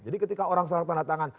jadi ketika orang persyaratan tanda tangan